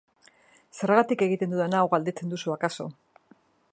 Zergatik egiten dudan hau, galdetzen duzu akaso.